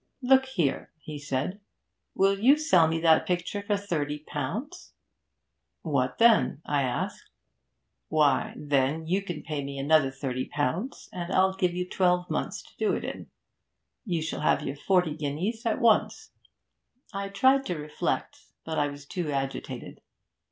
"Look here!" he said, "will you sell me that picture for thirty pounds?" "What then?" I asked. "Why, then you can pay me another thirty pounds, and I'll give you twelve months to do it in. You shall have your forty guineas at once." I tried to reflect, but I was too agitated.